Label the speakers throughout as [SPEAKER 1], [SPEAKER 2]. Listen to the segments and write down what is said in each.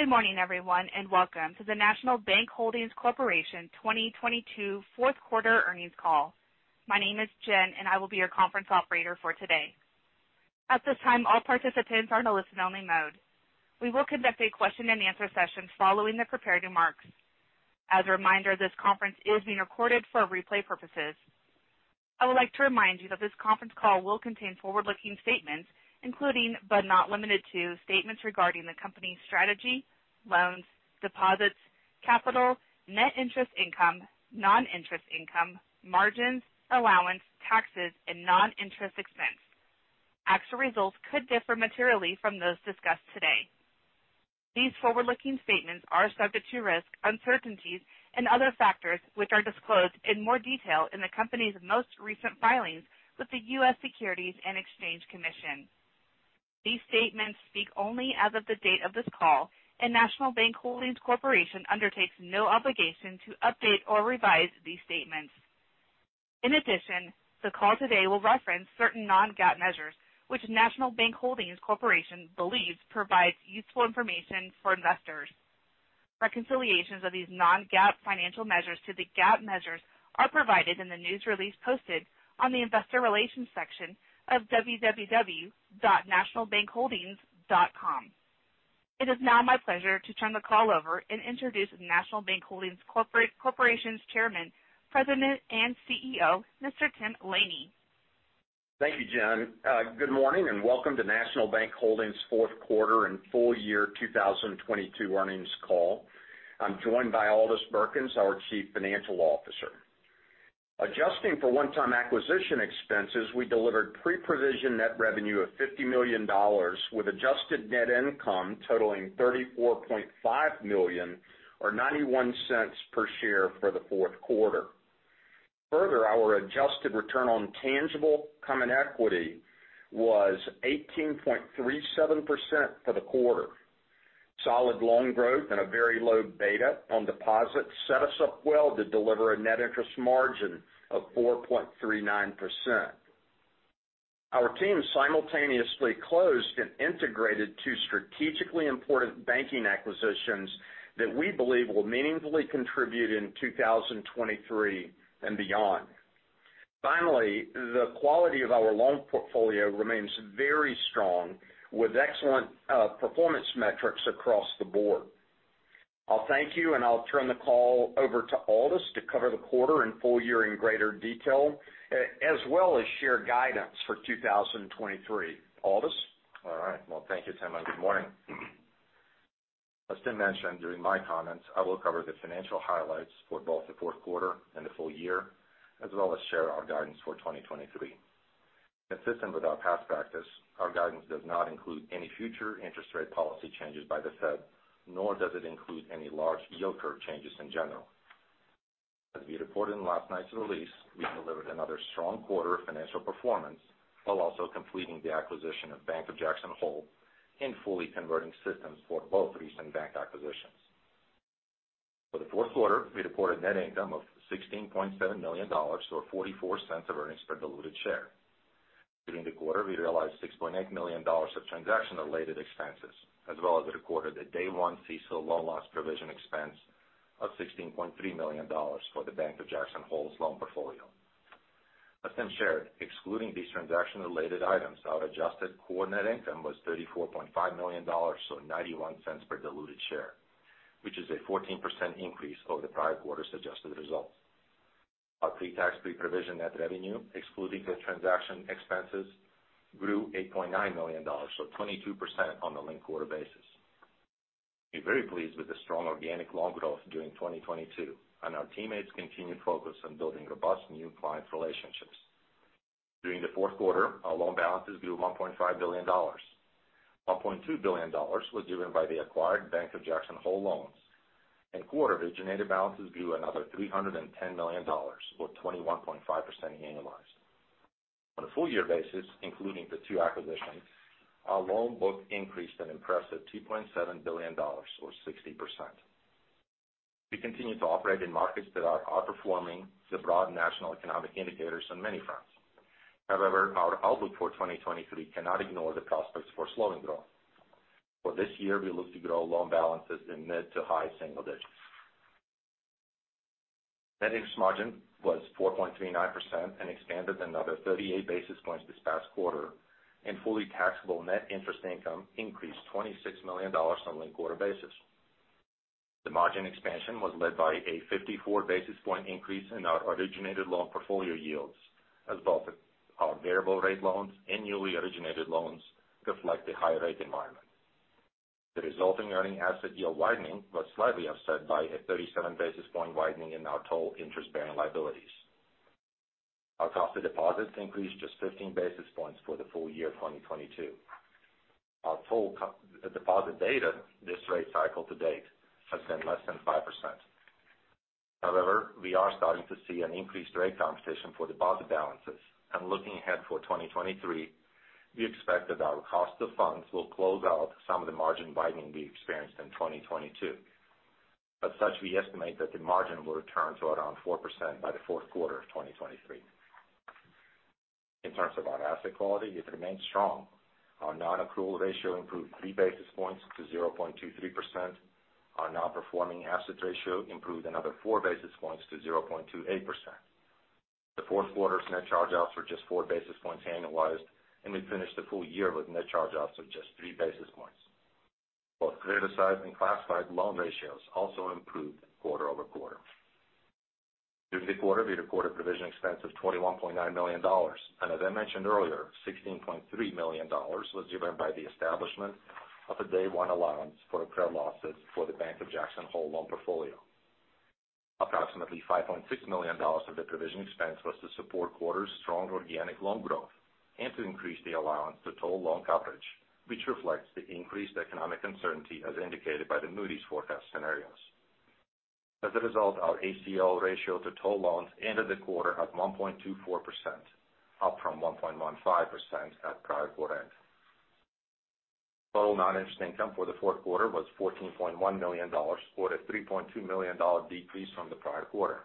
[SPEAKER 1] Good morning, everyone, and welcome to the National Bank Holdings Corporation 2022 fourth quarter earnings call. My name is Jen and I will be your conference operator for today. At this time, all participants are in a listen-only mode. We will conduct a question-and-answer session following the prepared remarks. As a reminder, this conference is being recorded for replay purposes. I would like to remind you that this conference call will contain forward-looking statements, including, but not limited to, statements regarding the company's strategy, loans, deposits, capital, net interest income, non-interest income, margins, allowance, taxes, and non-interest expense. Actual results could differ materially from those discussed today. These forward-looking statements are subject to risks, uncertainties and other factors which are disclosed in more detail in the company's most recent filings with the U.S. Securities and Exchange Commission. These statements speak only as of the date of this call, and National Bank Holdings Corporation undertakes no obligation to update or revise these statements. In addition, the call today will reference certain non-GAAP measures, which National Bank Holdings Corporation believes provides useful information for investors. Reconciliations of these non-GAAP financial measures to the GAAP measures are provided in the news release posted on the investor relations section of www.nationalbankholdings.com. It is now my pleasure to turn the call over and introduce National Bank Holdings Corporation's Chairman, President and CEO, Mr. Tim Laney.
[SPEAKER 2] Thank you, Jen. Good morning, and welcome to National Bank Holdings' fourth quarter and full year 2022 earnings call. I'm joined by Aldis Birkans, our Chief Financial Officer. Adjusting for one-time acquisition expenses, we delivered pre-provision net revenue of $50 million with adjusted net income totaling $34.5 million or $0.91 per share for the fourth quarter. Further, our adjusted return on tangible common equity was 18.37% for the quarter. Solid loan growth and a very low beta on deposits set us up well to deliver a net interest margin of 4.39%. Our team simultaneously closed and integrated two strategically important banking acquisitions that we believe will meaningfully contribute in 2023 and beyond. Finally, the quality of our loan portfolio remains very strong, with excellent performance metrics across the board. I'll thank you, and I'll turn the call over to Aldis to cover the quarter and full year in greater detail, as well as share guidance for 2023. Aldis?
[SPEAKER 3] All right. Well, thank you, Tim. Good morning. As Tim mentioned, during my comments, I will cover the financial highlights for both the fourth quarter and the full year, as well as share our guidance for 2023. Consistent with our past practice, our guidance does not include any future interest rate policy changes by the Fed, nor does it include any large yield curve changes in general. As we reported in last night's release, we delivered another strong quarter of financial performance while also completing the acquisition of Bank of Jackson Hole and fully converting systems for both recent bank acquisitions. For the fourth quarter, we reported net income of $16.7 million or $0.44 of earnings per diluted share. During the quarter, we realized $6.8 million of transaction-related expenses, as well as recorded a day-one CECL loan loss provision expense of $16.3 million for the Bank of Jackson Hole's loan portfolio. As Tim shared, excluding these transaction-related items, our adjusted core net income was $34.5 million or $0.91 per diluted share, which is a 14% increase over the prior quarter's adjusted results. Our pre-tax, pre-provision net revenue, excluding the transaction expenses, grew $8.9 million or 22% on a linked quarter basis. We're very pleased with the strong organic loan growth during 2022, and our teammates continue to focus on building robust new client relationships. During the fourth quarter, our loan balances grew $1.5 billion. $1.2 billion was driven by the acquired Bank of Jackson Hole loans. In quarter, originated balances grew another $310 million or 21.5% annualized. On a full year basis, including the two acquisitions, our loan book increased an impressive $2.7 billion or 60%. We continue to operate in markets that are outperforming the broad national economic indicators on many fronts. Our outlook for 2023 cannot ignore the prospects for slowing growth. For this year, we look to grow loan balances in mid to high single digits. Net interest margin was 4.39% and expanded another 38 basis points this past quarter, and fully taxable net interest income increased $26 million on linked quarter basis. The margin expansion was led by a 54 basis point increase in our originated loan portfolio yields, as both our variable rate loans and newly originated loans reflect the high rate environment. The resulting earning asset yield widening was slightly offset by a 37 basis point widening in our total interest-bearing liabilities. Our cost of deposits increased just 15 basis points for the full year 2022. Our total deposit beta this rate cycle to date has been less than 5%. We are starting to see an increased rate competition for deposit balances, and looking ahead for 2023, we expect that our cost of funds will close out some of the margin widening we experienced in 2022. We estimate that the margin will return to around 4% by the fourth quarter of 2023. In terms of our asset quality, it remains strong. Our non-accrual ratio improved 3 basis points to 0.23%. Our nonperforming assets ratio improved another 4 basis points to 0.28%. The fourth quarter's net charge-offs were just 4 basis points annualized, and we finished the full year with net charge-offs of just 3 basis points. Both criticized and classified loan ratios also improved quarter-over-quarter. During the quarter, we recorded provision expense of $21.9 million, and as I mentioned earlier, $16.3 million was driven by the establishment of a day one allowance for credit losses for the Bank of Jackson Hole loan portfolio. Approximately $5.6 million of the provision expense was to support quarter's strong organic loan growth and to increase the allowance to total loan coverage, which reflects the increased economic uncertainty as indicated by the Moody's forecast scenarios. As a result, our ACL ratio to total loans ended the quarter at 1.24%, up from 1.15% at prior quarter end. Total non-interest income for the fourth quarter was $14.1 million or a $3.2 million decrease from the prior quarter.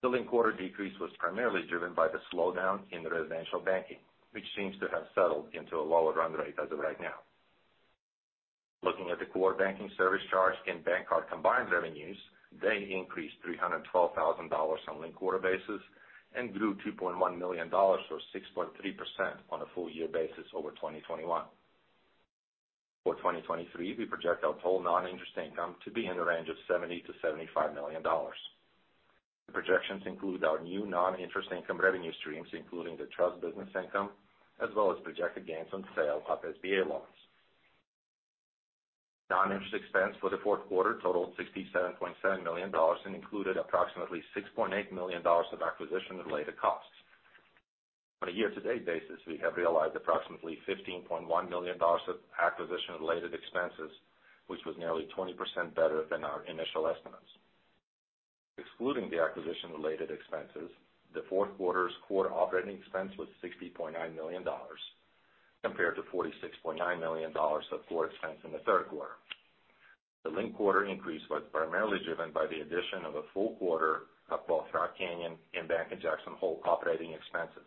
[SPEAKER 3] The linked quarter decrease was primarily driven by the slowdown in residential banking, which seems to have settled into a lower run rate as of right now. Looking at the core banking service charge and bank card combined revenues, they increased $312,000 on linked-quarter basis and grew $2.1 million or 6.3% on a full year basis over 2021. For 2023, we project our total non-interest income to be in the range of $70 million-$75 million. The projections include our new non-interest income revenue streams, including the trust business income, as well as projected gains on sale of SBA loans. Non-interest expense for the fourth quarter totaled $67.7 million and included approximately $6.8 million of acquisition-related costs. On a year-to-date basis, we have realized approximately $15.1 million of acquisition-related expenses, which was nearly 20% better than our initial estimates. Excluding the acquisition-related expenses, the fourth quarter's core operating expense was $60.9 million compared to $46.9 million of core expense in the third quarter. The linked quarter increase was primarily driven by the addition of a full quarter of both Rock Canyon and Bank of Jackson Hole operating expenses,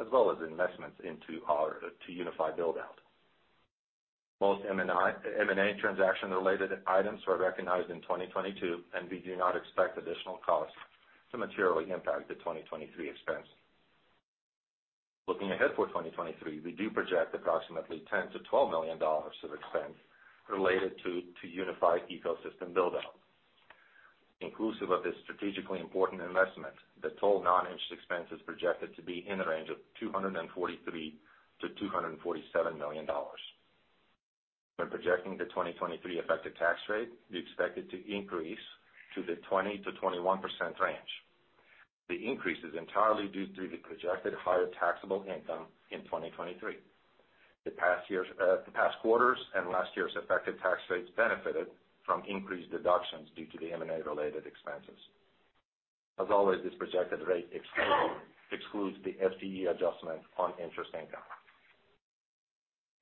[SPEAKER 3] as well as investments into our 2UniFi build out. Most M&A transaction-related items were recognized in 2022. We do not expect additional costs to materially impact the 2023 expense. Looking ahead for 2023, we do project approximately $10 million-$12 million of expense related to 2UniFi ecosystem build out. Inclusive of this strategically important investment, the total non-interest expense is projected to be in the range of $243 million-$247 million. When projecting the 2023 effective tax rate, we expect it to increase to the 20%-21% range. The increase is entirely due to the projected higher taxable income in 2023. The past years, the past quarters and last year's effective tax rates benefited from increased deductions due to the M&A related expenses. As always, this projected rate excludes the FTE adjustment on interest income.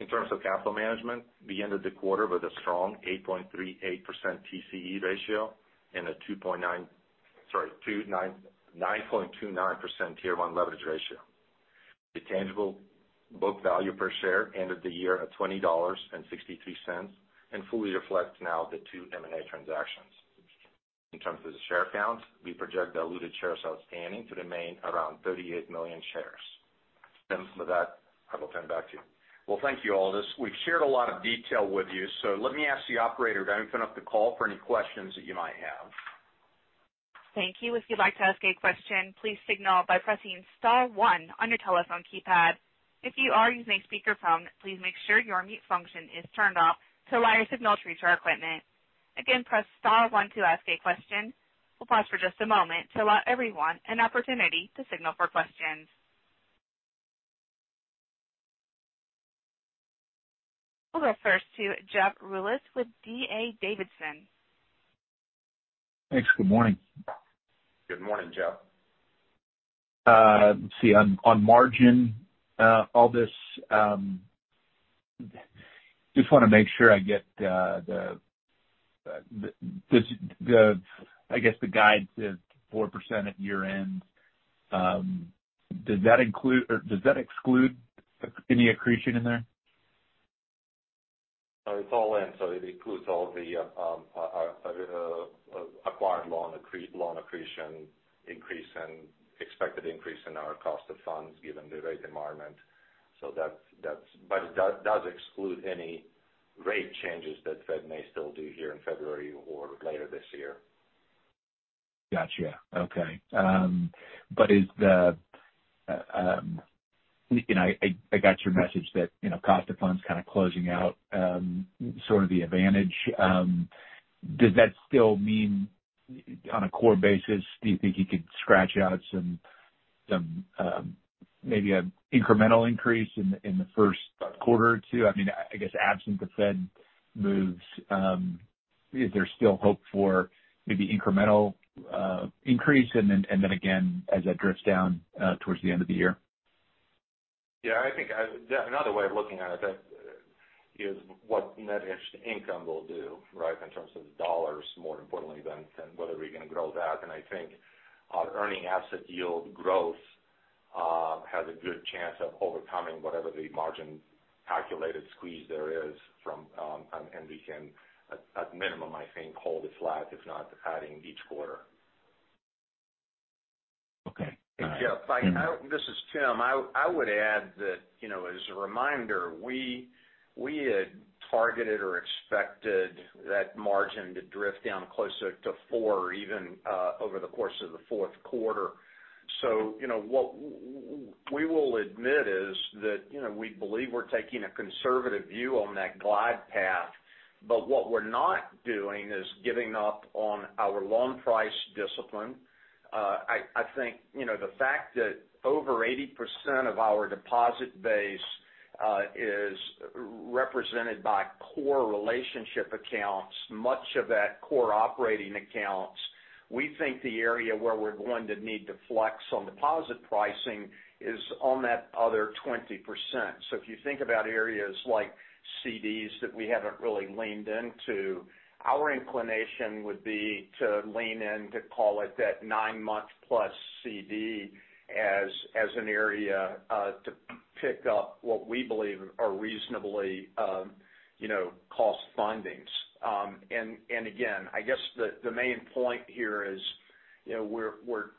[SPEAKER 3] In terms of capital management, we ended the quarter with a strong 8.38% TCE ratio and a 9.29% Tier 1 leverage ratio. The tangible book value per share ended the year at $20.63, and fully reflects now the two M&A transactions. In terms of the share count, we project diluted shares outstanding to remain around 38 million shares. With that, I will turn it back to you.
[SPEAKER 2] Well, thank you, Aldis. We've shared a lot of detail with you, so let me ask the operator to open up the call for any questions that you might have.
[SPEAKER 1] Thank you. If you'd like to ask a question, please signal by pressing star one on your telephone keypad. If you are using a speakerphone, please make sure your mute function is turned off to allow your signal to reach our equipment. Again, press star one to ask a question. We'll pause for just a moment to allow everyone an opportunity to signal for questions. We'll go first to Jeff Rulis with DA Davidson.
[SPEAKER 4] Thanks. Good morning.
[SPEAKER 3] Good morning, Jeff.
[SPEAKER 4] Let's see. On, on margin, Aldis, just wanna make sure I get, the, this, the, I guess, the guide to 4% at year-end. Does that include or does that exclude any accretion in there?
[SPEAKER 3] No, it's all in. It includes all the, our, acquired loan accretion increase and expected increase in our cost of funds given the rate environment. That's. It does exclude any rate changes that Fed may still do here in February or later this year.
[SPEAKER 4] Gotcha. Okay. Is the, you know, I got your message that, you know, cost of funds kind of closing out, sort of the advantage. Does that still mean on a core basis, do you think you could scratch out some maybe an incremental increase in the first quarter or two? I mean, I guess absent the Fed moves, is there still hope for maybe incremental increase and then again as that drifts down, towards the end of the year?
[SPEAKER 3] I think, another way of looking at it, I think, is what net interest income will do, right? In terms of the dollars, more importantly than whether we can grow that. I think our earning asset yield growth has a good chance of overcoming whatever the margin calculated squeeze there is from, and we can at minimum, I think, hold it flat, if not adding each quarter.
[SPEAKER 4] Okay. All right.
[SPEAKER 2] Hey, Jeff, This is Tim. I would add that, you know, as a reminder, we had targeted or expected that margin to drift down closer to 4% or even over the course of the fourth quarter. You know, what we will admit is that, you know, we believe we're taking a conservative view on that glide path, but what we're not doing is giving up on our loan price discipline. I think, you know, the fact that over 80% of our deposit base is represented by core relationship accounts, much of that core operating accounts, we think the area where we're going to need to flex on deposit pricing is on that other 20%. If you think about areas like CDs that we haven't really leaned into, our inclination would be to lean in to call it that 9+ month CD as an area to pick up what we believe are reasonably, you know, cost fundings. Again, I guess the main point here is, you know, we're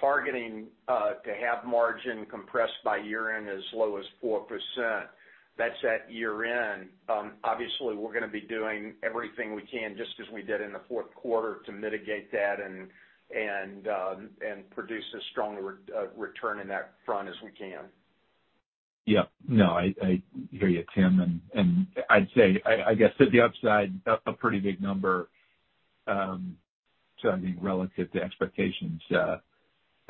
[SPEAKER 2] targeting to have margin compressed by year-end as low as 4%. That's at year-end. Obviously, we're gonna be doing everything we can, just as we did in the fourth quarter, to mitigate that and and produce a stronger return in that front as we can.
[SPEAKER 4] No, I hear you, Tim. I'd say, I guess at the upside, a pretty big number, I mean, relative to expectations, kind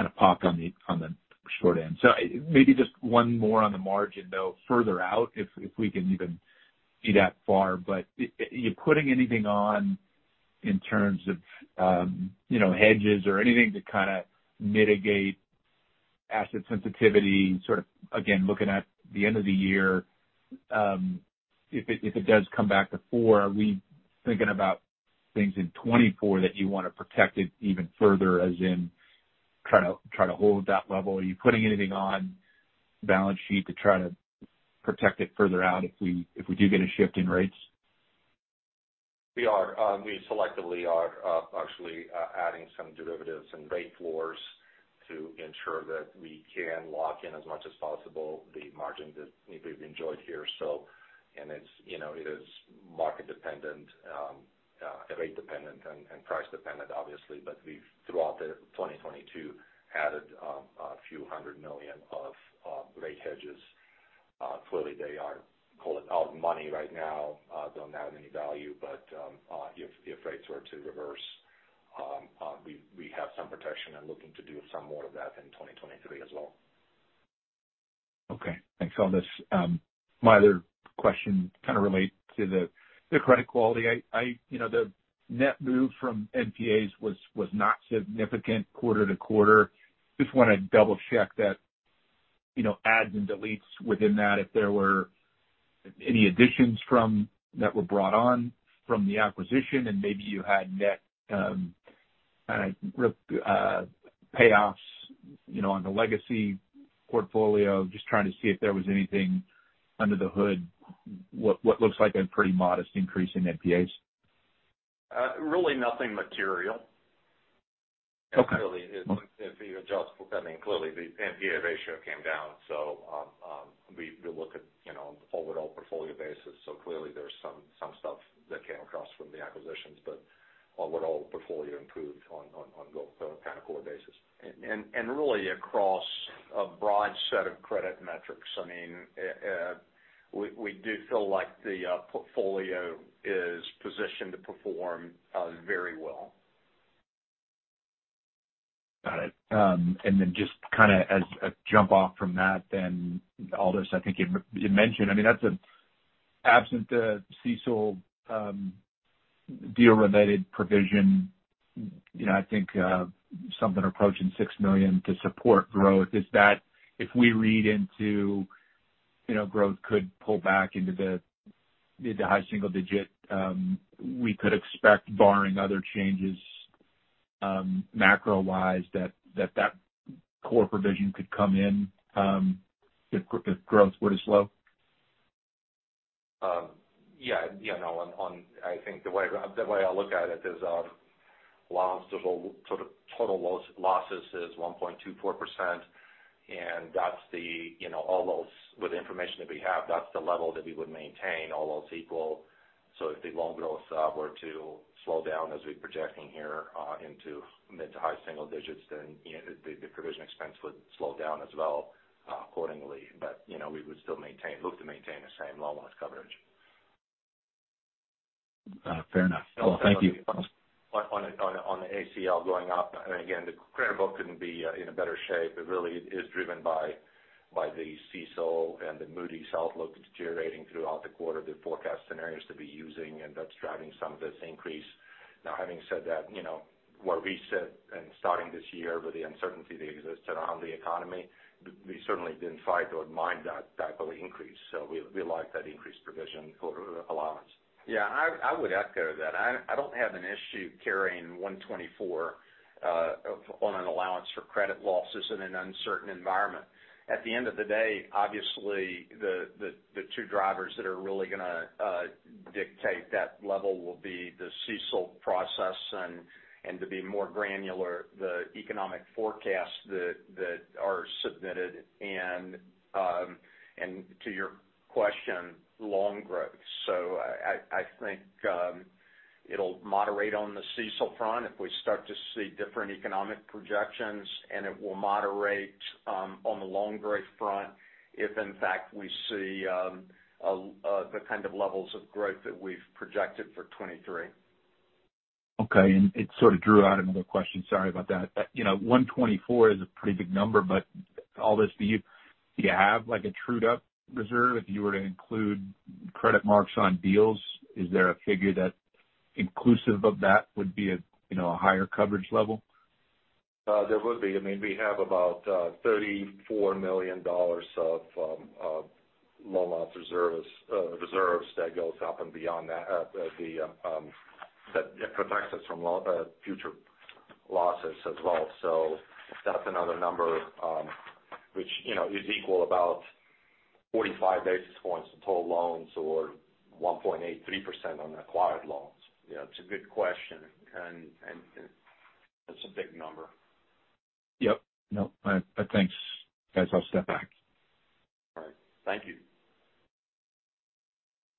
[SPEAKER 4] of pop on the, on the short end. Maybe just one more on the margin, though, further out if we can even see that far. Are you putting anything on in terms of, you know, hedges or anything to kinda mitigate asset sensitivity, sort of, again, looking at the end of the year, if it, if it does come back to four, are we thinking about things in 2024 that you want to protect it even further, as in try to, try to hold that level? Are you putting anything on balance sheet to try to protect it further out if we, if we do get a shift in rates?
[SPEAKER 3] We are. We selectively are actually adding some derivatives and rate floors to ensure that we can lock in as much as possible the margin that we've enjoyed here. It's, you know, it is market dependent, rate dependent and price dependent obviously. We've throughout the 2022 added a few hundred million of rate hedges. Clearly they are, call it out of money right now, don't have any value. If rates were to reverse, we have some protection and looking to do some more of that in 2023 as well.
[SPEAKER 4] Okay. Thanks, Aldis. My other question kind of relates to the credit quality. You know, the net move from NPAs was not significant quarter-to-quarter. Just wanna double check that, you know, adds and deletes within that, if there were any additions that were brought on from the acquisition and maybe you had net payoffs, you know, on the legacy portfolio. Just trying to see if there was anything under the hood. What looks like a pretty modest increase in NPAs.
[SPEAKER 3] Really nothing material.
[SPEAKER 4] Okay.
[SPEAKER 3] Clearly I mean, clearly the NPA ratio came down, so we look at, you know, overall portfolio basis. Clearly there's some stuff that came across from the acquisitions, but our overall portfolio improved on both a kind of core basis.
[SPEAKER 2] And really across a broad set of credit metrics. I mean, we do feel like the portfolio is positioned to perform very well.
[SPEAKER 4] Got it. Just kind of as a jump off from that then, Aldis, I think you've mentioned, I mean, that's absent the CECL deal-related provision, you know, I think something approaching $6 million to support growth. Is that if we read into, you know, growth could pull back into the high single digit, we could expect barring other changes, macro-wise that core provision could come in, if growth were to slow?
[SPEAKER 3] Yeah, you know, I think the way I look at it is, loss to the total loss, losses is 1.24%. That's the, you know, all else with the information that we have, that's the level that we would maintain all else equal. If the loan growth were to slow down as we're projecting here, into mid- to high-single digits, then the provision expense would slow down as well accordingly. You know, we would still look to maintain the same loan loss coverage.
[SPEAKER 4] Fair enough. Well, thank you.
[SPEAKER 3] On the ACL going up, I mean, again, the credit book couldn't be in a better shape. It really is driven by the CECL and the Moody's outlook deteriorating throughout the quarter, the forecast scenarios to be using. That's driving some of this increase. Now, having said that, you know, what we said and starting this year with the uncertainty that exists around the economy, we certainly didn't fight or mind that type of increase. We like that increased provision for allowance.
[SPEAKER 2] Yeah, I would echo that. I don't have an issue carrying 124 on an allowance for credit losses in an uncertain environment. At the end of the day, obviously, the two drivers that are really gonna dictate that level will be the CECL process and, to be more granular, the economic forecasts that are submitted and, to your question, loan growth. I think it'll moderate on the CECL front if we start to see different economic projections, and it will moderate on the loan growth front, if in fact we see the kind of levels of growth that we've projected for 2023.
[SPEAKER 4] Okay. It sort of drew out another question. Sorry about that. You know, 124 is a pretty big number, Aldis, do you have like a trued up reserve if you were to include credit marks on deals? Is there a figure that inclusive of that would be a, you know, a higher coverage level?
[SPEAKER 3] There would be. I mean, we have about $34 million of loan loss reserves that goes up and beyond that protects us from future losses as well. That's another number, which, you know, is equal about 45 basis points to total loans or 1.83% on acquired loans. It's a good question, and it's a big number.
[SPEAKER 4] Yep. No. Thanks, guys. I'll step back.
[SPEAKER 3] All right. Thank you.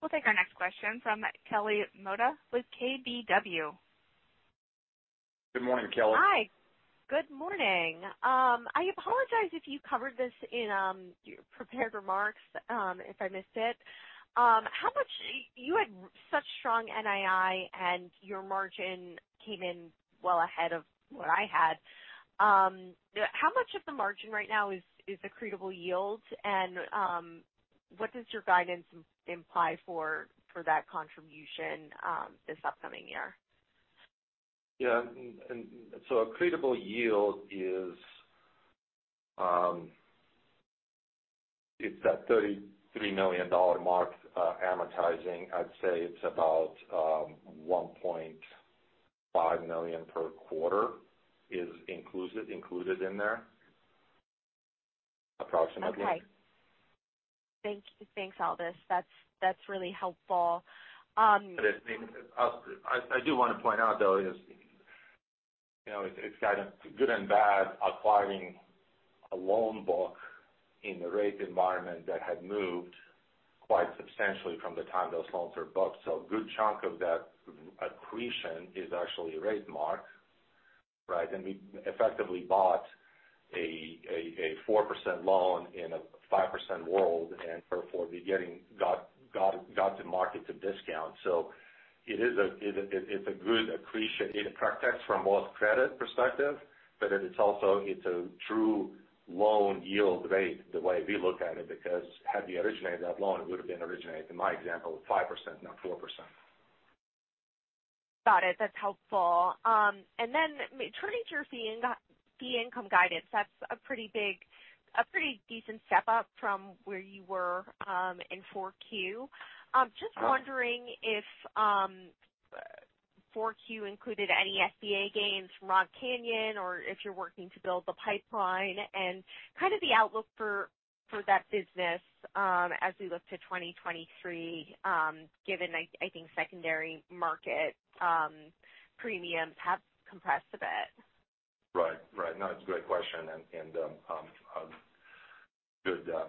[SPEAKER 1] We'll take our next question from Kelly Motta with KBW.
[SPEAKER 2] Good morning, Kelly.
[SPEAKER 5] Hi. Good morning. I apologize if you covered this in your prepared remarks, if I missed it. You had such strong NII and your margin came in well ahead of what I had. How much of the margin right now is accretable yield? What does your guidance imply for that contribution this upcoming year?
[SPEAKER 3] Yeah. accretable yield is, it's that $33 million mark, amortizing. I'd say it's about, $1.5 million per quarter is included in there approximately.
[SPEAKER 5] Okay. Thanks, Aldis. That's, that's really helpful.
[SPEAKER 3] I think I do want to point out, though, is, you know, it's kind of good and bad acquiring a loan book in a rate environment that had moved quite substantially from the time those loans were booked. A good chunk of that accretion is actually rate mark, right? We effectively bought a 4% loan in a 5% world, and therefore, we're getting to market to discount. It is a good accretion. It protects from a credit perspective, but it is also a true loan yield rate the way we look at it, because had we originated that loan, it would have been originated, in my example, 5%, not 4%.
[SPEAKER 5] Got it. That's helpful. Turning to your fee income guidance, that's a pretty big, a pretty decent step up from where you were in 4Q. Just wondering if 4Q included any SBA gains from Rock Canyon or if you're working to build the pipeline and kind of the outlook for that business, as we look to 2023, given I think secondary market premiums have compressed a bit.
[SPEAKER 3] Right. No, it's a great question, and good patch there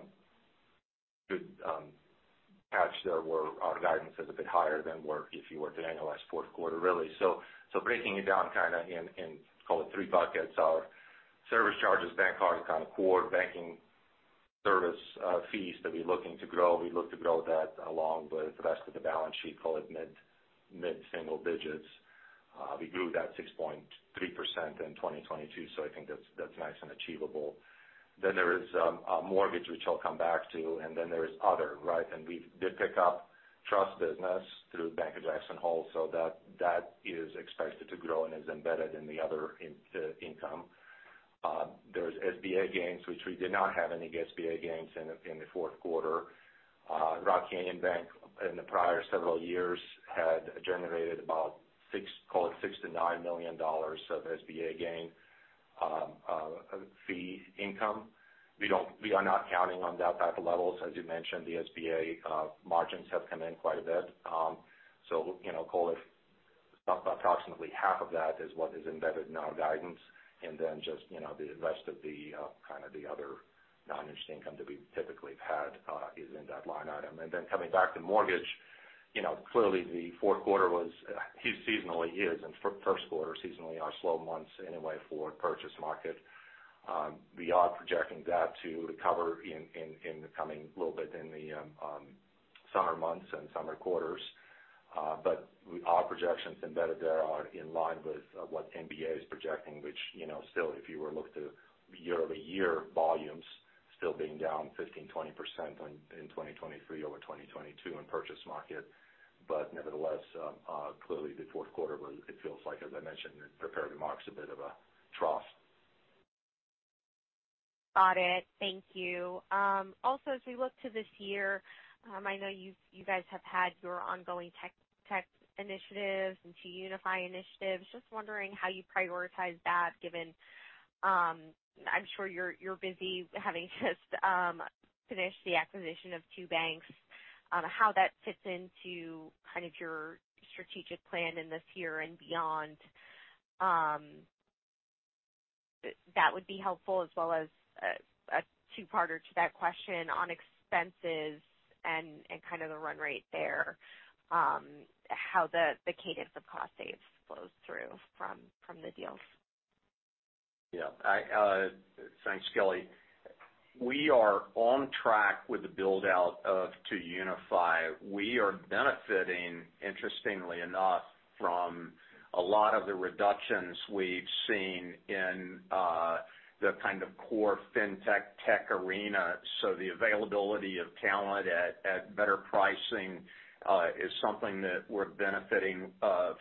[SPEAKER 3] where our guidance is a bit higher than where if you were to annualize fourth quarter, really. Breaking it down kind of in call it three buckets. Our service charges, bank cards, kind of core banking service fees that we're looking to grow. We look to grow that along with the rest of the balance sheet, call it mid-single digits. We grew that 6.3% in 2022, I think that's nice and achievable. There is mortgage, which I'll come back to, there's other, right? We did pick up trust business through Bank of Jackson Hole, that is expected to grow and is embedded in the other income. There's SBA gains, which we did not have any SBA gains in the fourth quarter. Rock Canyon Bank in the prior several years had generated about $6 million-$9 million of SBA gain fee income. We are not counting on that type of levels. As you mentioned, the SBA margins have come in quite a bit. You know, call it about approximately half of that is what is embedded in our guidance. Just, you know, the rest of the kind of the other non-interest income that we typically have had is in that line item. Coming back to mortgage, you know, clearly the fourth quarter was seasonally is and first quarter seasonally are slow months anyway for purchase market. We are projecting that to recover in the coming little bit in the summer months and summer quarters. Our projections embedded there are in line with what MBA is projecting, which, you know, still, if you were look to year-over-year volumes Still being down 15%, 20% on, in 2023 over 2022 in purchase market. Nevertheless, clearly the fourth quarter was, it feels like, as I mentioned in prepared remarks, a bit of a trough.
[SPEAKER 5] Got it. Thank you. Also, as we look to this year, I know you guys have had your ongoing tech initiatives and 2UniFi initiatives. Just wondering how you prioritize that given, I'm sure you're busy having just finished the acquisition of two banks, on how that fits into kind of your strategic plan in this year and beyond. That would be helpful as well as a two-parter to that question on expenses and kind of the run rate there, how the cadence of cost saves flows through from the deals.
[SPEAKER 2] Yeah. I, thanks, Kelly. We are on track with the build out of 2UniFi. We are benefiting, interestingly enough, from a lot of the reductions we've seen in the kind of core FinTech tech arena. The availability of talent at better pricing is something that we're benefiting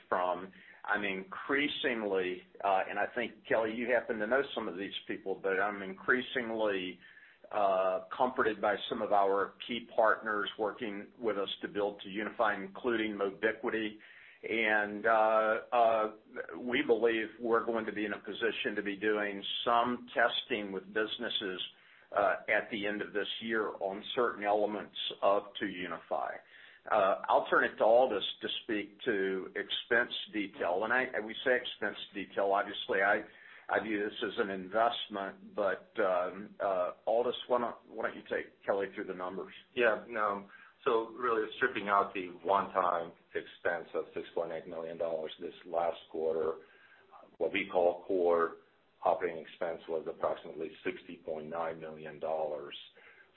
[SPEAKER 2] from. I'm increasingly, and I think Kelly, you happen to know some of these people, but I'm increasingly comforted by some of our key partners working with us to build 2UniFi, including Mobiquity. We believe we're going to be in a position to be doing some testing with businesses at the end of this year on certain elements of 2UniFi. I'll turn it to Aldis to speak to expense detail. We say expense detail, obviously, I view this as an investment. Aldis, why don't you take Kelly through the numbers?
[SPEAKER 3] Yeah. No. Really stripping out the one-time expense of $6.8 million this last quarter, what we call core operating expense was approximately $60.9 million.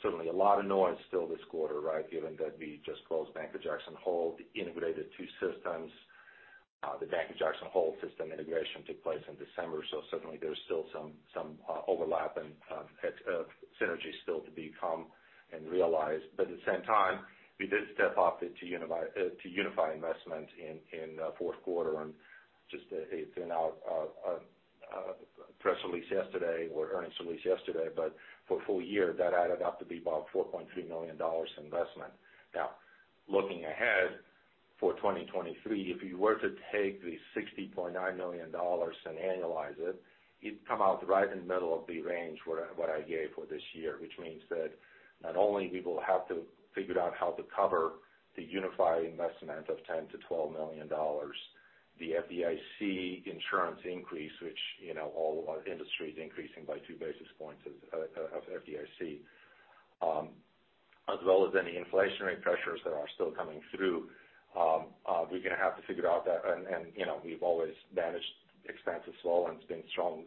[SPEAKER 3] Certainly a lot of noise still this quarter, right? Given that we just closed Bank of Jackson Hole, integrated two systems. The Bank of Jackson Hole system integration took place in December. Certainly there's still some overlap and synergy still to be come and realized. At the same time, we did step up the 2UniFi investment in fourth quarter. Just it's in our press release yesterday or earnings release yesterday, but for full year, that added up to be about $4.3 million investment. Looking ahead for 2023, if you were to take the $60.9 million and annualize it, you'd come out right in the middle of the range what I gave for this year, which means that not only we will have to figure out how to cover the 2UniFi investment of $10 million-$12 million, the FDIC insurance increase, which, you know, all of our industry is increasing by 2 basis points of FDIC, as well as any inflationary pressures that are still coming through. We're gonna have to figure out that and, you know, we've always managed expenses well, and it's been strong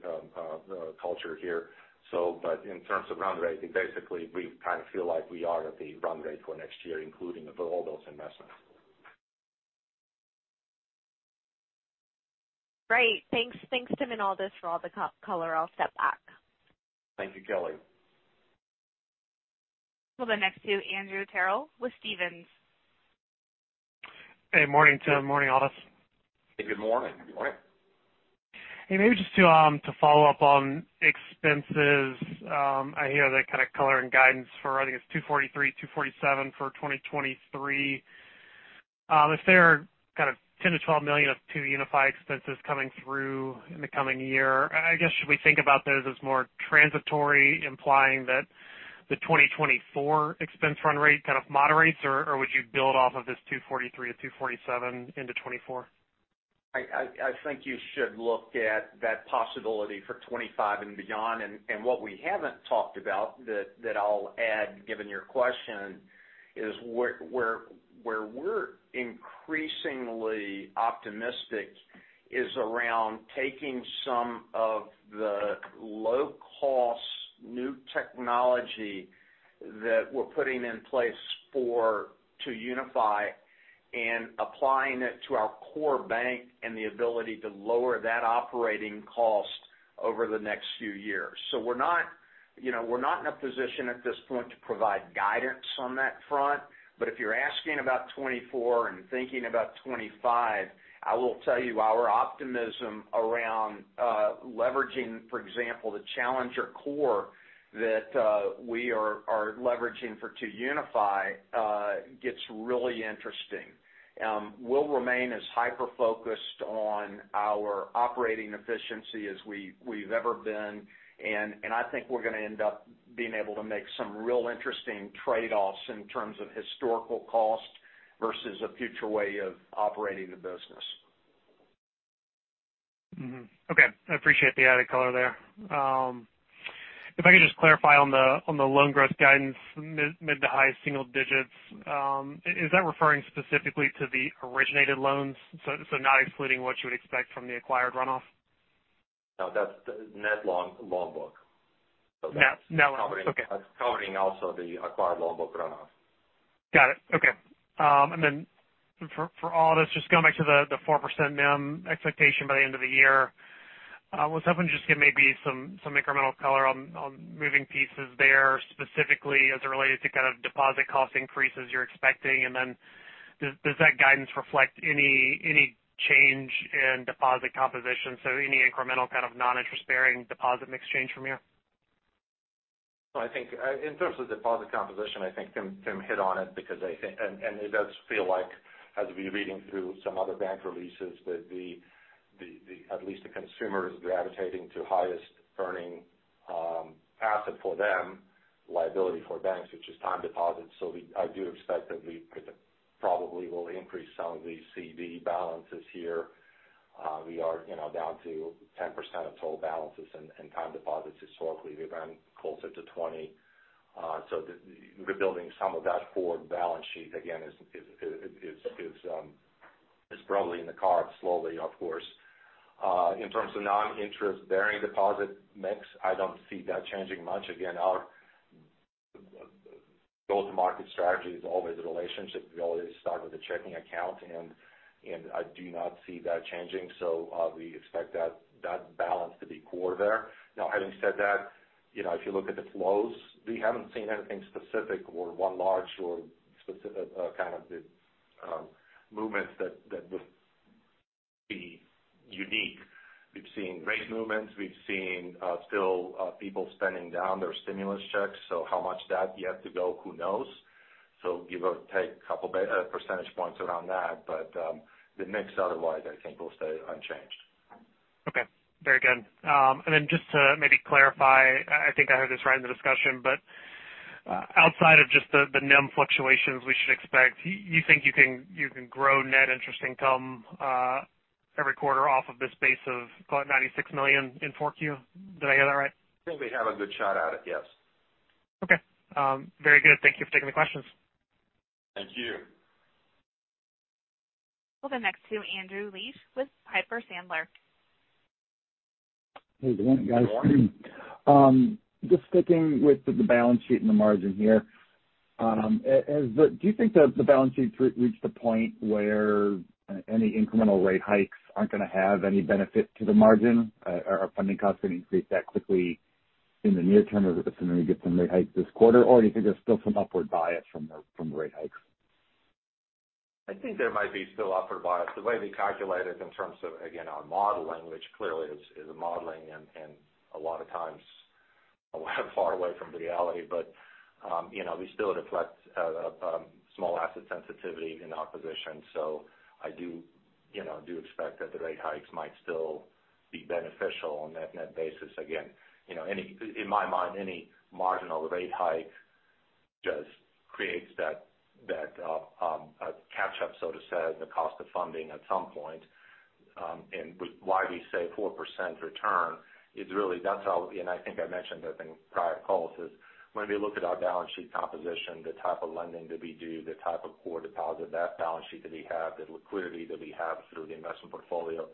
[SPEAKER 3] culture here. But in terms of run rate, basically, we kind of feel like we are at the run rate for next year, including for all those investments.
[SPEAKER 5] Great. Thanks. Thanks, Tim and Aldis for all the color. I'll step back.
[SPEAKER 2] Thank you, Kelly.
[SPEAKER 1] We'll go next to Andrew Terrell with Stephens.
[SPEAKER 6] Hey, morning, Tim. Morning, Aldis.
[SPEAKER 2] Hey, good morning.
[SPEAKER 3] Good morning.
[SPEAKER 6] Hey, maybe just to follow up on expenses. I hear the kind of color and guidance for, I think it's $243-$247 for 2023. If there are kind of $10 million-$12 million of 2UniFi expenses coming through in the coming year, I guess, should we think about those as more transitory implying that the 2024 expense run rate kind of moderates, or would you build off of this $243-$247 into 2024?
[SPEAKER 2] I think you should look at that possibility for 2025 and beyond. What we haven't talked about that I'll add, given your question, is where we're increasingly optimistic is around taking some of the low-cost new technology that we're putting in place for 2UniFi and applying it to our core bank and the ability to lower that operating cost over the next few years. We're not, you know, we're not in a position at this point to provide guidance on that front, but if you're asking about 2024 and thinking about 2025, I will tell you our optimism around leveraging, for example, the challenger core that we are leveraging for 2UniFi gets really interesting. We'll remain as hyper-focused on our operating efficiency as we've ever been. I think we're gonna end up being able to make some real interesting trade-offs in terms of historical cost versus a future way of operating the business.
[SPEAKER 6] Okay. I appreciate the added color there. If I could just clarify on the, on the loan growth guidance, mid to high single digits, is that referring specifically to the originated loans, so not excluding what you would expect from the acquired runoff?
[SPEAKER 3] No, that's the net loan book.
[SPEAKER 6] Now okay.
[SPEAKER 3] That's covering also the acquired loan book runoff.
[SPEAKER 6] Got it. Okay. Then for Aldis, just going back to the 4% NIM expectation by the end of the year, I was hoping just give maybe some incremental color on moving pieces there, specifically as it related to kind of deposit cost increases you're expecting. Then does that guidance reflect any change in deposit composition? Any incremental kind of non-interest-bearing deposit mix change from here?
[SPEAKER 3] I think in terms of deposit composition, I think Tim hit on it because I think. It does feel like as we're reading through some other bank releases that the at least the consumer is gravitating to highest earning asset for them, liability for banks, which is time deposits. I do expect that we probably will increase some of the CD balances here. We are, you know, down to 10% of total balances and time deposits. Historically, we've been closer to 20. Rebuilding some of that forward balance sheet again is probably in the cards slowly of course. In terms of non-interest bearing deposit mix, I don't see that changing much. Our go-to-market strategy is always a relationship. We always start with a checking account, and I do not see that changing. We expect that balance to be core there. Now, having said that, you know, if you look at the flows, we haven't seen anything specific or one large or kind of the movements that would be unique. We've seen rate movements. We've seen still people spending down their stimulus checks, how much that yet to go, who knows? Give or take a couple percentage points around that. The mix otherwise I think will stay unchanged.
[SPEAKER 6] Okay, very good. Just to maybe clarify, I think I heard this right in the discussion, outside of just the NIM fluctuations we should expect, you think you can grow net interest income every quarter off of this base of about $96 million in 4Q? Did I hear that right?
[SPEAKER 3] I think we have a good shot at it, yes.
[SPEAKER 6] Okay. Very good. Thank you for taking the questions.
[SPEAKER 3] Thank you.
[SPEAKER 1] We'll go next to Andrew Liesch with Piper Sandler.
[SPEAKER 7] Hey, good morning, guys.
[SPEAKER 3] Good morning.
[SPEAKER 7] Just sticking with the balance sheet and the margin here, do you think the balance sheet's reached a point where any incremental rate hikes aren't gonna have any benefit to the margin? Are funding costs going to increase that quickly in the near term as assuming we get some rate hikes this quarter? Do you think there's still some upward bias from the rate hikes?
[SPEAKER 3] I think there might be still upward bias. The way we calculate it in terms of, again, our modeling, which clearly is a modeling and a lot of times far away from reality. you know, we still reflect small asset sensitivity in our position. I you know, do expect that the rate hikes might still be beneficial on net-net basis. Again, you know, in my mind, any marginal rate hike just creates that, a catch up, so to say, the cost of funding at some point. Why we say 4% return is really that's how... I think I mentioned I think prior calls, is when we look at our balance sheet composition, the type of lending that we do, the type of core deposit, that balance sheet that we have, the liquidity that we have through the investment portfolio.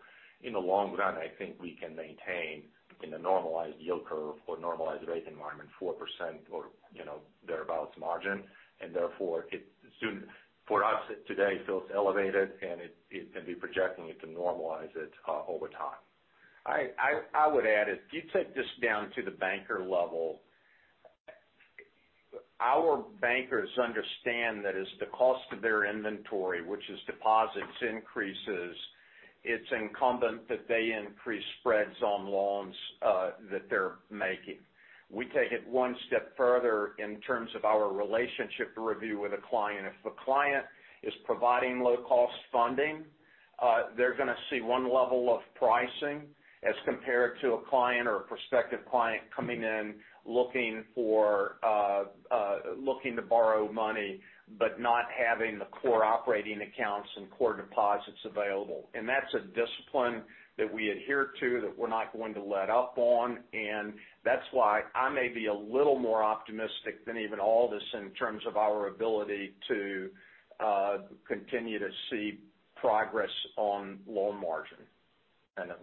[SPEAKER 3] In the long run, I think we can maintain in a normalized yield curve or normalized rate environment, 4% or, you know, thereabouts margin. Therefore for us today, it feels elevated and it, and we're projecting it to normalize it over time.
[SPEAKER 2] I would add, if you take this down to the banker level, our bankers understand that as the cost of their inventory, which is deposits increases, it's incumbent that they increase spreads on loans that they're making. We take it one step further in terms of our relationship review with a client. If the client is providing low cost funding, they're gonna see one level of pricing as compared to a client or a prospective client coming in looking for looking to borrow money but not having the core operating accounts and core deposits available. That's a discipline that we adhere to that we're not going to let up on. That's why I may be a little more optimistic than even Aldis in terms of our ability to continue to see progress on loan margin.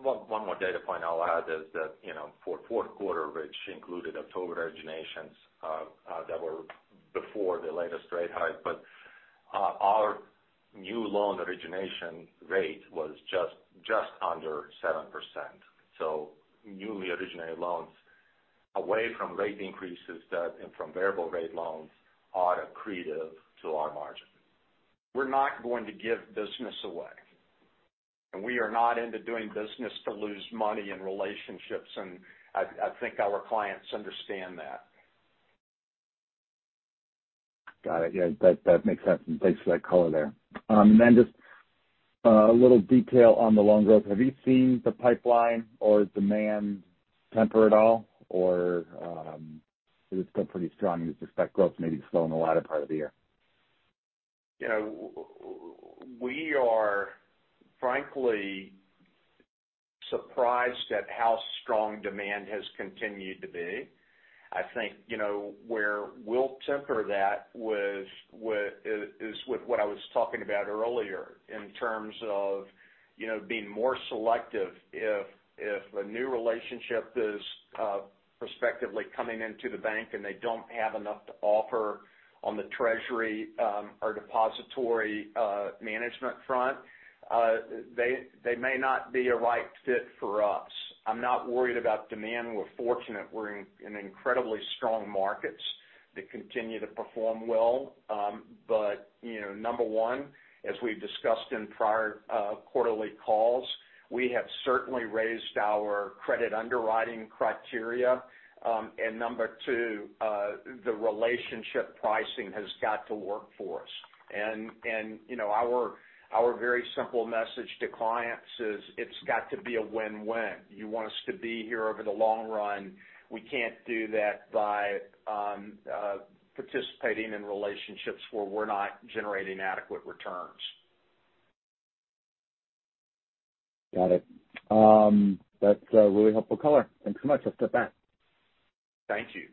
[SPEAKER 3] One more data point I'll add is that, you know, for fourth quarter, which included October originations that were before the latest rate hike, but our new loan origination rate was just under 7%. Newly originated loans away from rate increases that and from variable rate loans ought accretive to our margin.
[SPEAKER 2] We're not going to give business away. We are not into doing business to lose money and relationships. I think our clients understand that.
[SPEAKER 7] Got it. Yeah, that makes sense. Thanks for that color there. Just a little detail on the loan growth. Have you seen the pipeline or demand temper at all? Or has it still pretty strong? You'd expect growth maybe to slow in the latter part of the year?
[SPEAKER 2] You know, we are frankly surprised at how strong demand has continued to be. I think, you know, where we'll temper that is what I was talking about earlier in terms of, you know, being more selective. If a new relationship is prospectively coming into the bank and they don't have enough to offer on the treasury or depository management front, they may not be a right fit for us. I'm not worried about demand. We're fortunate we're in incredibly strong markets that continue to perform well. You know, one, as we've discussed in prior quarterly calls, we have certainly raised our credit underwriting criteria and number two, the relationship pricing has got to work for us. You know, our very simple message to clients is, it's got to be a win-win. You want us to be here over the long run, we can't do that by participating in relationships where we're not generating adequate returns.
[SPEAKER 7] Got it. That's a really helpful color. Thanks so much. I'll step back.
[SPEAKER 2] Thank you.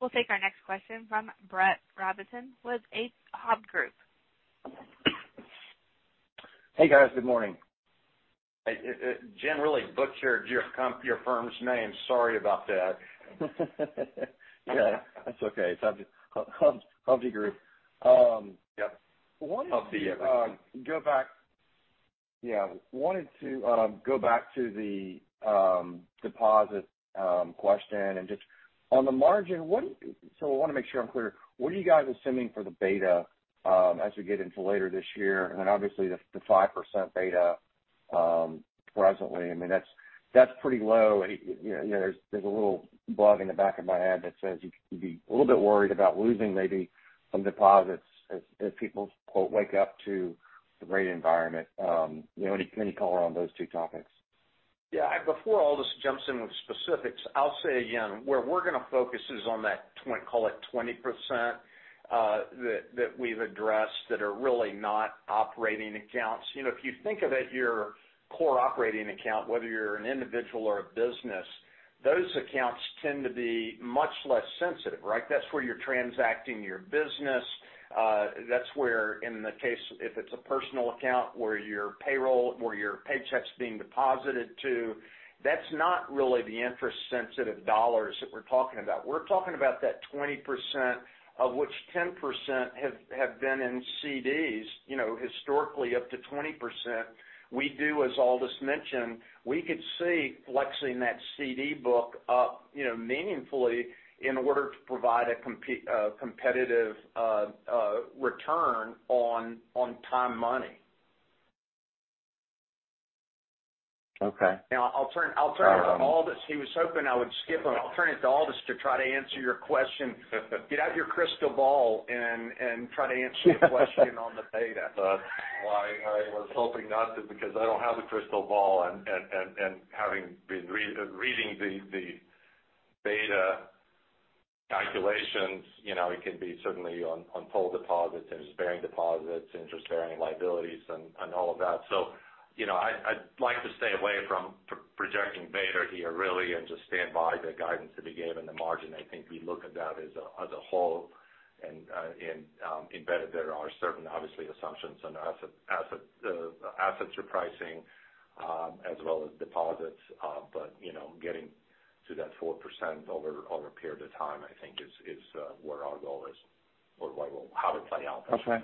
[SPEAKER 1] We'll take our next question from Brett Rabatin with Hovde Group.
[SPEAKER 8] Hey, guys. Good morning.
[SPEAKER 2] I generally butchered your firm's name. Sorry about that.
[SPEAKER 8] Yeah. That's okay. It's Hovde Group.
[SPEAKER 2] Yep. Hovde everything.
[SPEAKER 8] Wanted to go back... Yeah. Wanted to go back to the deposit question. Just on the margin, I wanna make sure I'm clear. What are you guys assuming for the beta as we get into later this year? I mean, obviously the 5% beta presently, I mean, that's pretty low. You know, there's a little bug in the back of my head that says you could be a little bit worried about losing maybe some deposits as people wake up to the rate environment. You know, any color on those two topics?
[SPEAKER 2] Before Aldis jumps in with specifics, I'll say again, where we're gonna focus is on that call it 20%, that we've addressed that are really not operating accounts. You know, if you think of it, your core operating account, whether you're an individual or a business, those accounts tend to be much less sensitive, right? That's where you're transacting your business. That's where in the case, if it's a personal account where your payroll, where your paycheck's being deposited to, that's not really the interest sensitive dollars that we're talking about. We're talking about that 20% of which 10% have been in CDs, you know, historically up to 20%. We do, as Aldis mentioned, we could see flexing that CD book up, you know, meaningfully in order to provide a competitive return on time money.
[SPEAKER 8] Okay.
[SPEAKER 2] Now I'll turn it to Aldis. He was hoping I would skip him. I'll turn it to Aldis to try to answer your question. Get out your crystal ball and try to answer your question on the beta.
[SPEAKER 3] That's why I was hoping not to because I don't have a crystal ball. Having been reading the beta calculations, you know, it can be certainly on pool deposits, interest-bearing deposits, interest-bearing liabilities and all of that. You know, I'd like to stay away from projecting beta here really and just stand by the guidance that we gave in the margin. I think we look at that as a whole. In embedded there are certain obviously assumptions on assets repricing as well as deposits. You know, getting to that 4% over a period of time, I think is where our goal is or how it play out.
[SPEAKER 8] Okay.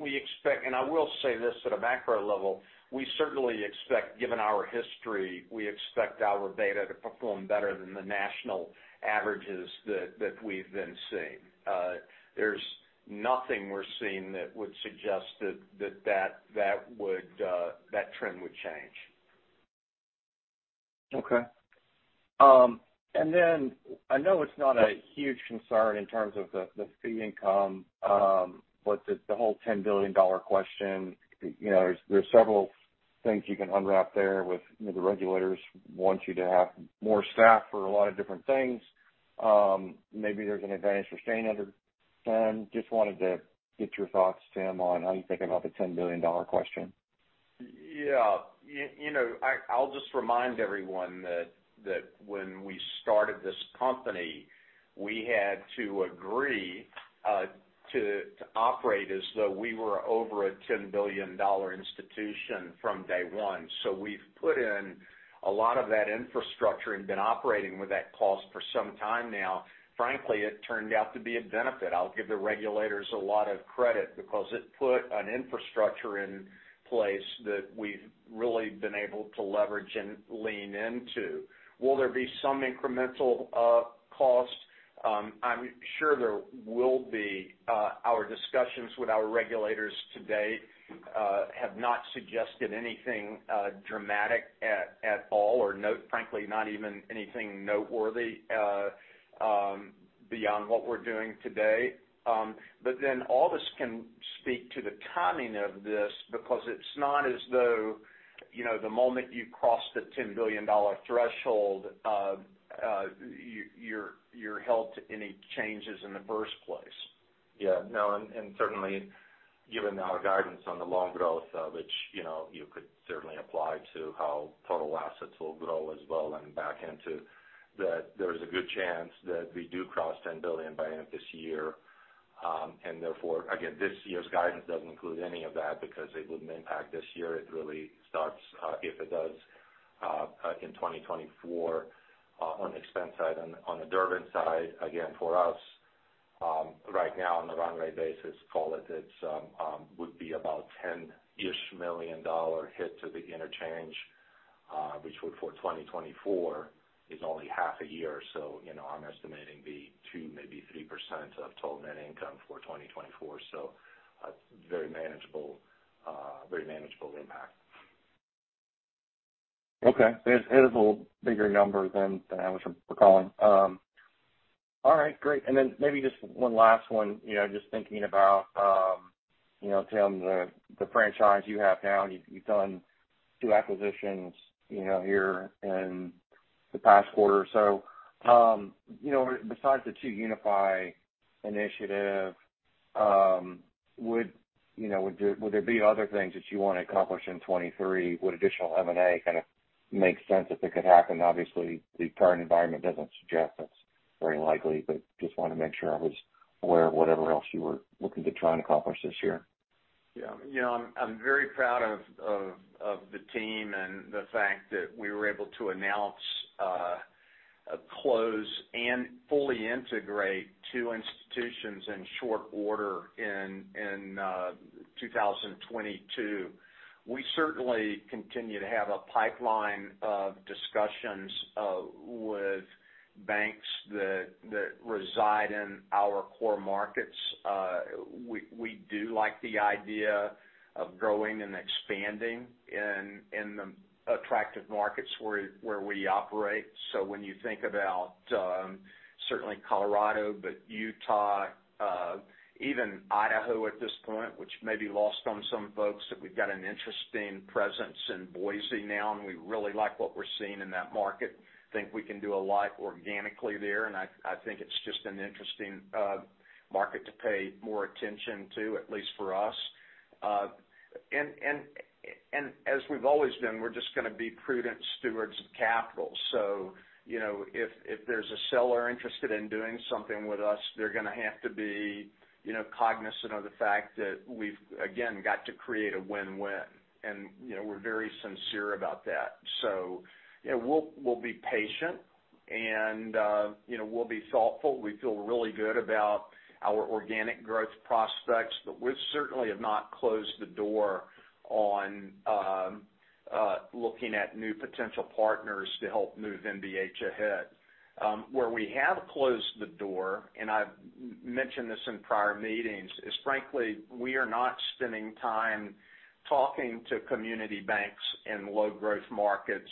[SPEAKER 2] We expect. I will say this at a macro level. We certainly expect, given our history, we expect our beta to perform better than the national averages that we've been seeing. There's nothing we're seeing that would suggest that would that trend would change.
[SPEAKER 8] Okay. I know it's not a huge concern in terms of the fee income, but the $10 billion question. You know, there's several things you can unwrap there with, you know, the regulators want you to have more staff for a lot of different things. Maybe there's an advantage for staying under 10. Just wanted to get your thoughts, Tim, on how you're thinking about the $10 billion question?
[SPEAKER 2] You know, I'll just remind everyone that when we started this company, we had to agree to operate as though we were over a $10 billion institution from day one. We've put in a lot of that infrastructure and been operating with that cost for some time now. Frankly, it turned out to be a benefit. I'll give the regulators a lot of credit because it put an infrastructure in place that we've really been able to leverage and lean into. Will there be some incremental cost? I'm sure there will be. Our discussions with our regulators to date have not suggested anything dramatic at all or frankly, not even anything noteworthy beyond what we're doing today. Aldis can speak to the timing of this because it's not as though, you know, the moment you cross the $10 billion threshold, you're held to any changes in the first place.
[SPEAKER 3] No. Certainly given our guidance on the loan growth, which, you know, you could certainly apply to how total assets will grow as well and back into that, there's a good chance that we do cross $10 billion by end of this year. Therefore, again, this year's guidance doesn't include any of that because it wouldn't impact this year. It really starts, if it does, in 2024, on the expense side. On the Durbin side, again, for us, right now on a run rate basis, call it's, would be about $10-ish million hit to the interchange, which would for 2024 is only half a year. You know, I'm estimating be 2%, maybe 3% of total net income for 2024. Very manageable, very manageable impact.
[SPEAKER 8] Okay. It is, it is a little bigger number than I was re-recalling. All right, great. Then maybe just last one. You know, just thinking about, you know, Tim, the franchise you have now, and you've done two acquisitions, you know, here in the past quarter or so. You know, besides the 2UniFi initiative, would, you know, would there, would there be other things that you wanna accomplish in 2023? Would additional M&A kind of make sense if it could happen? Obviously, the current environment doesn't suggest that's very likely, but just wanna make sure I was aware of whatever else you were looking to try and accomplish this year.
[SPEAKER 2] You know, I'm very proud of the team and the fact that we were able to announce a close and fully integrate two institutions in short order in 2022. We certainly continue to have a pipeline of discussions with banks that reside in our core markets. We do like the idea of growing and expanding in the attractive markets where we operate. When you think about certainly Colorado, but Utah, even Idaho at this point, which may be lost on some folks, that we've got an interesting presence in Boise now, and we really like what we're seeing in that market. Think we can do a lot organically there, and I think it's just an interesting market to pay more attention to, at least for us. And as we've always been, we're just gonna be prudent stewards of capital. You know, if there's a seller interested in doing something with us, they're gonna have to be, you know, cognizant of the fact that we've again got to create a win-win. You know, we're very sincere about that. You know, we'll be patient and, you know, we'll be thoughtful. We feel really good about our organic growth prospects, but we certainly have not closed the door on looking at new potential partners to help move NBHC ahead. Where we have closed the door, and I've mentioned this in prior meetings, is frankly, we are not spending time talking to community banks in low growth markets.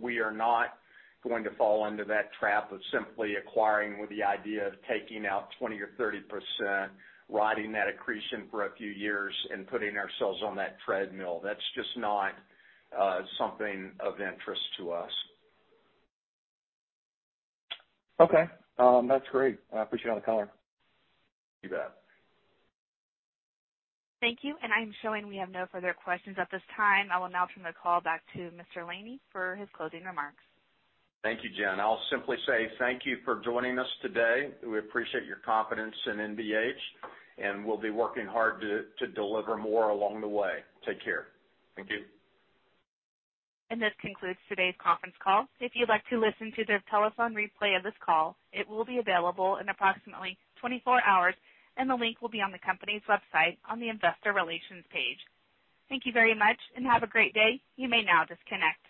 [SPEAKER 2] We are not going to fall into that trap of simply acquiring with the idea of taking out 20% or 30%, riding that accretion for a few years and putting ourselves on that treadmill. That's just not something of interest to us.
[SPEAKER 8] Okay. That's great. I appreciate all the color.
[SPEAKER 2] You bet.
[SPEAKER 1] Thank you. I'm showing we have no further questions at this time. I will now turn the call back to Mr. Laney for his closing remarks.
[SPEAKER 2] Thank you, Jen. I'll simply say thank you for joining us today. We appreciate your confidence in NBHC, and we'll be working hard to deliver more along the way. Take care. Thank you.
[SPEAKER 1] This concludes today's conference call. If you'd like to listen to the telephone replay of this call, it will be available in approximately 24 hours. The link will be on the company's website on the investor relations page. Thank you very much and have a great day. You may now disconnect.